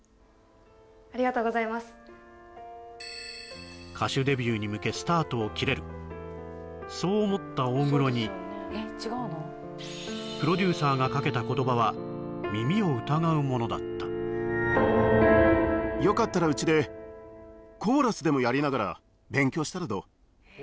ありがとうございます歌手デビューに向けスタートを切れるそう思った大黒にプロデューサーがかけた言葉は耳を疑うものだったよかったらうちでコーラスでもやりながら勉強したらどう？